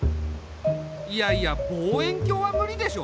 いやいや望遠鏡は無理でしょ。